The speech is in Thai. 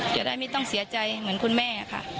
จะได้ไม่ต้องเสียใจเหมือนคุณแม่ค่ะ